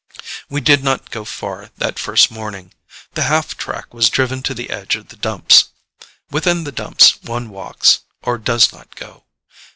We did not go far that first morning. The half track was driven to the edge of the Dumps. Within the Dumps one walks or does not go.